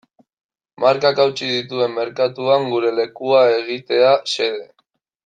Markak hautsi dituen merkatuan gure lekua egitea xede.